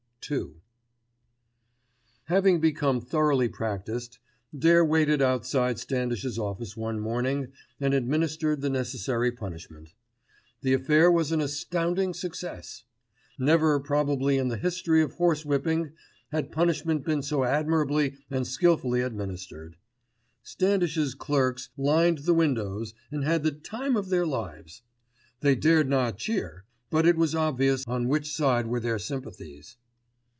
II Having become thoroughly practised, Dare waited outside Standish's office one morning and administered the necessary punishment. The affair was an astounding success. Never probably in the history of horse whipping had punishment been so admirably and skilfully administered. Standish's clerks lined the windows and had the time of their lives. They dared not cheer; but it was obvious on which side were their sympathies.